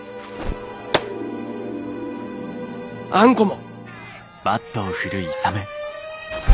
あんこも。